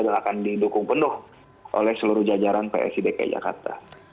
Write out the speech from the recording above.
dan akan didukung penuh oleh seluruh jajaran psi dki jakarta